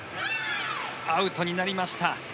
アウトになりました。